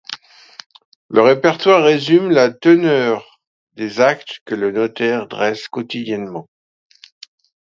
Le répertoire résume la teneur des actes que le notaire dresse quotidiennement.